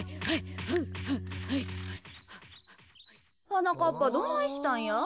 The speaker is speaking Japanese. はなかっぱどないしたんや？